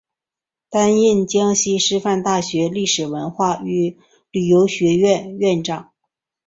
担任江西师范大学历史文化与旅游学院院长。